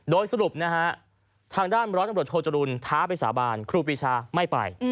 โดยสรุปนะฮะทางด้านร้อยตำรวจโทจรุลท้าไปสาบานครูปีชาไม่ไป